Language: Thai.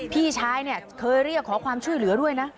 พี่ชายเนี่ยเคยเรียกขอความช่วยเหลือด้วยนะ